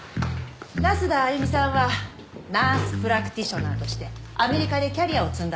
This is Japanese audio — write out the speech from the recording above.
那須田歩さんはナース・プラクティショナーとしてアメリカでキャリアを積んだそうです。